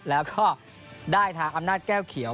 แล้วก็ได้ทางอำนาจแก้วเขียว